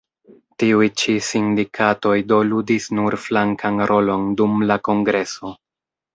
Tiuj ĉi sindikatoj do ludis nur flankan rolon dum la kongreso.